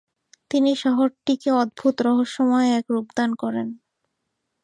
তিনি শহরটিকে অদ্ভুত রহস্যময় এক রূপদান করেন।